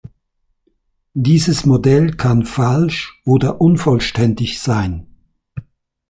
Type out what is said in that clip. Dieses Modell kann falsch oder unvollständig sein.